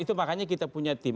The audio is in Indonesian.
itu makanya kita punya tim